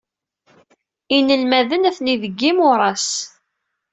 Inelmaden atni deg yimuras.